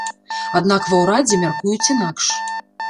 Аднак ва ўрадзе мяркуюць інакш.